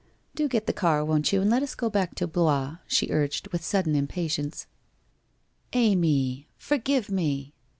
... Do get the car, won't you, and let us go back to Blois/ She urged with sudden impatience. ' Amy, forgive me